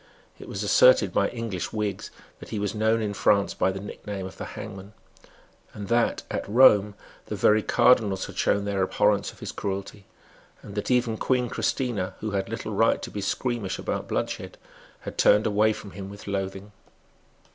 It was asserted by English Whigs that he was known in France by the nickname of the Hangman; that, at Rome, the very cardinals had shown their abhorrence of his cruelty; and that even Queen Christina, who had little right to be squeamish about bloodshed, had turned away from him with loathing.